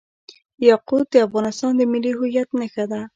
یاقوت د افغانستان د ملي هویت نښه ده.